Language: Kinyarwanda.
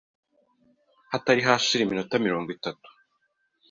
Hatari hashira iminota mirongo itatu